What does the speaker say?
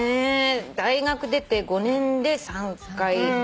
大学出て５年で３回変えてる。